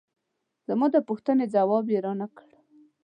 زما د پوښتنې ځواب یې را نه کړ.